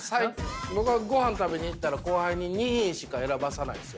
僕はごはん食べに行ったら後輩に２品しか選ばさないんですよ。